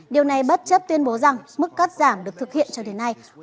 điều này bất chấp tuyên bố rằng mức cắt giảm được thực hiện cho địa phương